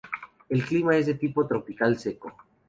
El clima es de tipo tropical seco.